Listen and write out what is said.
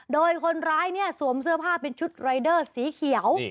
โดยคนร้ายเนี่ยสวมเสื้อผ้าเป็นชุดรายเดอร์สีเขียว